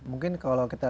jangan lupa youtube